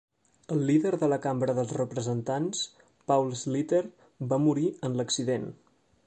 El líder de la Cambra dels Representants, Paul Sliter, va morir en l'accident.